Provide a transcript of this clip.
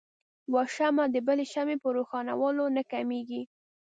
يوه شمعه د بلې شمعې په روښانؤلو نه کميږي.